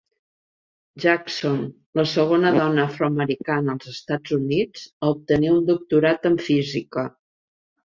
Jackson, la segona dona afroamericana als Estats Units a obtenir un doctorat en física.